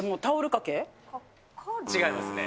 違いますね。